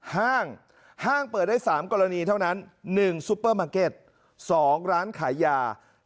ห้างเปิดได้๓กรณีเท่านั้น๑ซุปเปอร์มาร์เก็ต๒ร้านขายยา